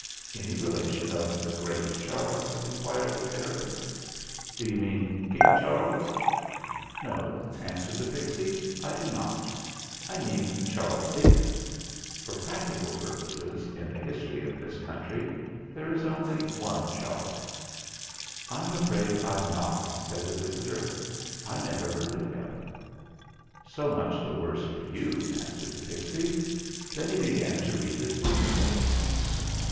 "Any relation of the great Charles ?" inquired the fairy. "D'you mean King Charles?" "No," answered the pixy, "I do not. I mean Charles Dickens. For practical purposes, in the history of this country there is only one Charles." "I'm afraid I'm not," said the visitor. "I never heard of him." "So much the worse for you," answered the pixy. Then he began to read his book again.